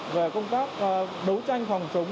về công tác đấu tranh phòng chống